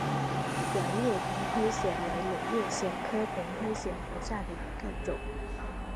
圆叶平灰藓为柳叶藓科平灰藓属下的一个种。